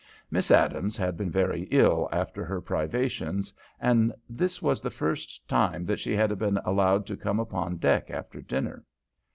Miss Adams had been very ill after her privations, and this was the first time that she had been allowed to come upon deck after dinner.